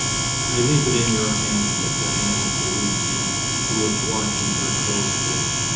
"I leave it in your hands," said Diana to Lucian, who was watching her closely.